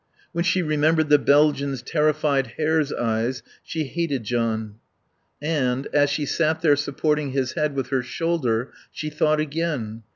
When she remembered the Belgian's terrified hare's eyes she hated John. And, as she sat there supporting his head with her shoulder, she thought again.